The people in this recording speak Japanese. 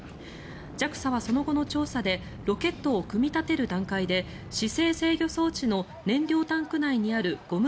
ＪＡＸＡはその後の調査でロケットを組み立てる段階で姿勢制御装置の燃料タンク内にあるゴム